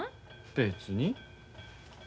別に。